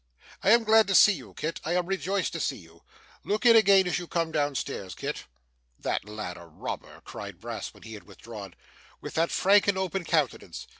I am glad to see you Kit, I am rejoiced to see you. Look in again, as you come down stairs, Kit. That lad a robber!' cried Brass when he had withdrawn, 'with that frank and open countenance!